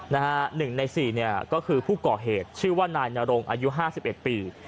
หนึ่งในสี่เนี่ยก็คือผู้ก่อเหตุชื่อว่านายนรงอายุห้าสิบเอ็ดปี